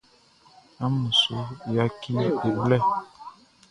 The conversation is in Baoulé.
Amun su saci e blɛ.